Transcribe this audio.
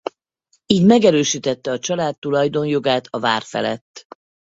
Így megerősítette a család tulajdonjogát a vár felett.